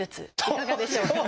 いかがでしょうか？